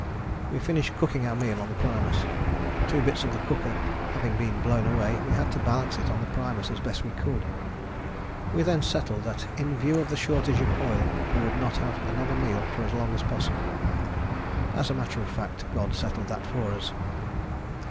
We finished cooking our meal on the primus. Two bits of the cooker having been blown away we had to balance it on the primus as best we could. We then settled that in view of the shortage of oil we would not have another meal for as long as possible. As a matter of fact God settled that for us.